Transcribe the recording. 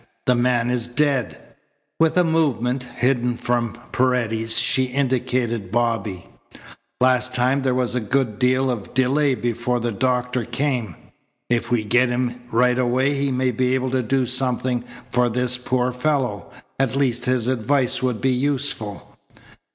"The man is dead." With a movement, hidden from Paredes, she indicated Bobby. "Last time there was a good deal of delay before the doctor came. If we get him right away he may be able to do something for this poor fellow. At least his advice would be useful."